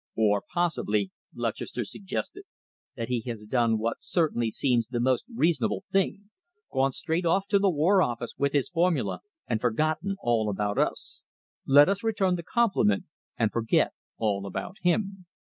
"Or possibly," Lutchester suggested, "that he has done what certainly seems the most reasonable thing gone straight off to the War Office with his formula and forgotten all about us. Let us return the compliment and forget all about him."